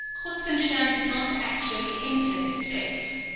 Kruzenstern did not actually enter this strait.